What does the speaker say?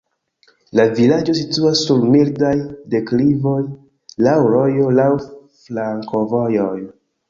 La vilaĝo situas sur mildaj deklivoj, laŭ rojo, laŭ flankovojoj.